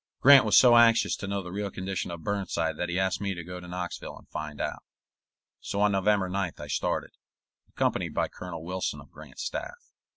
Grant was so anxious to know the real condition of Burnside that he asked me to go to Knoxville and find out. So on November 9th I started, accompanied by Colonel Wilson of Grant's staff.